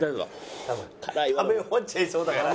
食べ終わっちゃいそうだから。